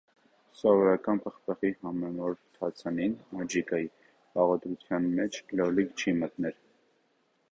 Սովորական պղպեղի համեմաւոր թացանին (աջիկային) բաղադրութեան մէջ լոլիկ չի մտներ։